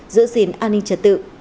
giữ gìn an ninh trật tự